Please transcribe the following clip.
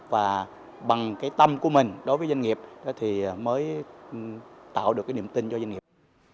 và bằng cái tâm của mình đối với doanh nghiệp thì mới tạo được cái niềm tin cho doanh nghiệp